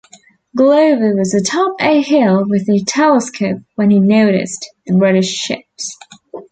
Glover was atop a hill with a telescope when he noticed the British ships.